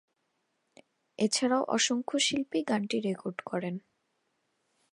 এছাড়াও অসংখ্য শিল্পী গানটি রেকর্ড করেন।